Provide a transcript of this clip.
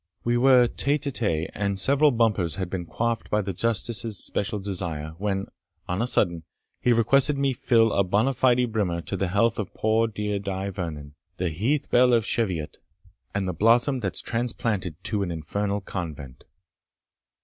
We were tete a' tete, and several bumpers had been quaffed by the Justice's special desire, when, on a sudden, he requested me to fill a bona fide brimmer to the health of poor dear Die Vernon, the rose of the wilderness, the heath bell of Cheviot, and the blossom that's transplanted to an infernal convent.